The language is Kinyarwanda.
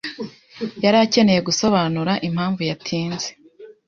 yari akeneye gusobanura impamvu yatinze .